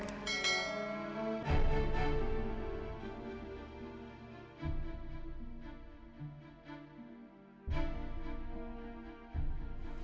terima kasih banyak dok